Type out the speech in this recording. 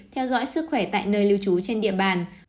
theo dõi sức khỏe tại nơi lưu trú trên địa bàn